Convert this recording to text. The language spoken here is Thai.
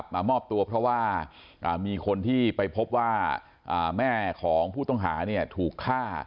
มามอบตัวเพราะว่ามีคนที่ไปพบว่าแม่ของผู้ต้องหาถูกฆ่า